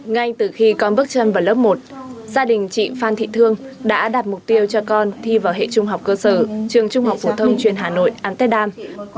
ngay từ khi con bước chân vào lớp một gia đình chị phan thị thương đã đặt mục tiêu cho con thi vào hệ trung học cơ sở trường trung học phổ thông chuyên hà nội amsterdam